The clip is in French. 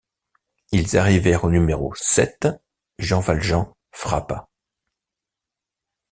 Ils arrivèrent au numéro sept. Jean Valjean frappa.